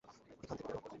এখান থেকে বের হও!